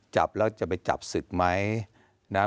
จับแล้วจะไปจับสิทธิ์ไหม